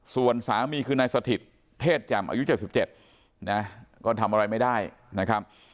ส่วนสามีคือนายสถิตเทศแจ่มอายุ๗๗นะก็ทำอะไรไม่ได้นะครับ